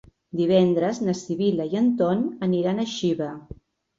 Divendres na Sibil·la i en Ton aniran a Xiva.